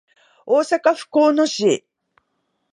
大阪府交野市